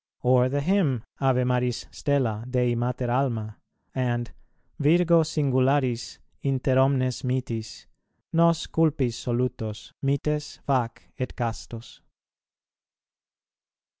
Or the Hymn, "Ave Maris stella, Dei Mater alma," and "Virgo singularis, inter omnes mitis, nos culpis solutos, mites fac et castos."